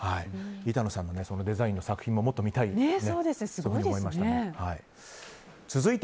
板野さんのデザインの作品ももっと見たいと思いましたね。